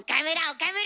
岡村！